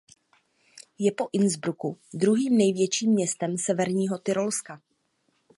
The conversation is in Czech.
Je po Innsbrucku druhým největším městem severního Tyrolska.